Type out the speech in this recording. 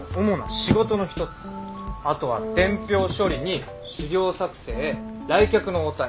あとは伝票処理に資料作成来客の応対